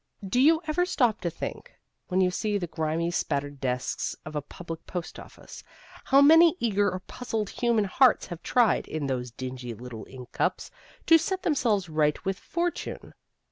Do you ever stop to think, when you see the grimy spattered desks of a public post office, how many eager or puzzled human hearts have tried, in those dingy little ink cups, to set themselves right with fortune?